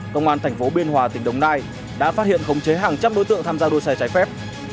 tổng an tp biên hòa tỉnh đồng nai đã phát hiện khống chế hàng trăm đối tượng tham gia đua xe trái phép